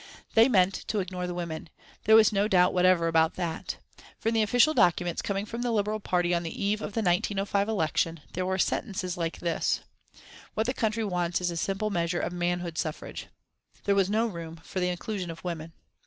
They meant to ignore the women there was no doubt whatever about that. For in the official documents coming from the Liberal party on the eve of the 1905 election, there were sentences like this: 'What the country wants is a simple measure of Manhood Suffrage.' There was no room for the inclusion of women.